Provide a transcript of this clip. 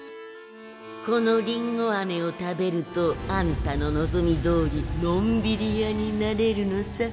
このりんごあめを食べるとあんたの望みどおりのんびり屋になれるのさ。